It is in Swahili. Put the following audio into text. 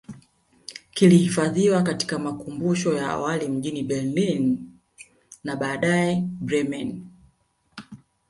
Kilihifadhiwa katika makumbusho ya awali mjini Berlin na baadae Bremen